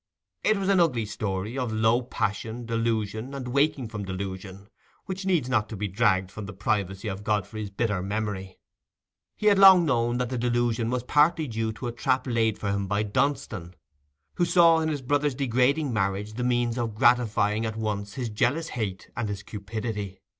It was an ugly story of low passion, delusion, and waking from delusion, which needs not to be dragged from the privacy of Godfrey's bitter memory. He had long known that the delusion was partly due to a trap laid for him by Dunstan, who saw in his brother's degrading marriage the means of gratifying at once his jealous hate and his cupidity.